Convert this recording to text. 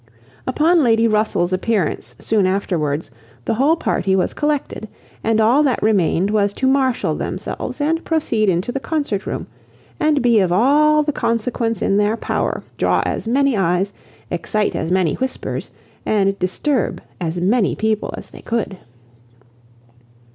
Upon Lady Russell's appearance soon afterwards, the whole party was collected, and all that remained was to marshal themselves, and proceed into the Concert Room; and be of all the consequence in their power, draw as many eyes, excite as many whispers, and disturb as many people as they could.